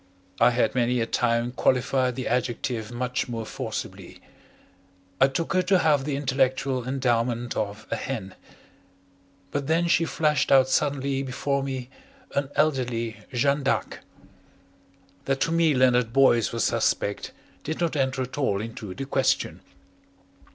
I had many a time qualified the adjective much more forcibly. I took her to have the intellectual endowment of a hen. But then she flashed out suddenly before me an elderly Jeanne d'Arc. That to me Leonard Boyce was suspect did not enter at all into the question.